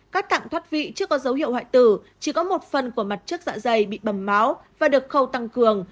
các tạng thoát vị chưa có dấu hiệu hoại tử chỉ có một phần của mặt trước dạ dày bị bầm máu và được khâu tăng cường